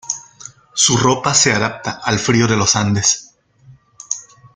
Su ropa se adapta al frío de los Andes.